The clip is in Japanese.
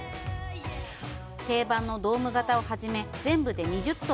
定番のドーム型をはじめ、全部で２０棟。